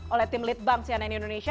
oleh tim lead bank cnn indonesia